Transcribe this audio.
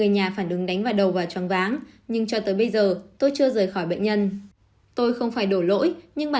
ông nói thêm